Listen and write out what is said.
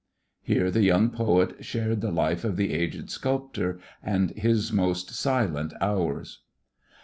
Here the young poet shared the life of the aged sculptor and his most silent hours.